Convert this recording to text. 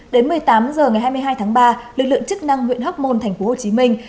đến một mươi tám h ngày hai mươi hai tháng ba lực lượng chức năng huyện hóc môn thành phố hồ chí minh